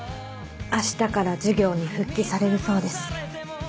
明日から授業に復帰されるそうです。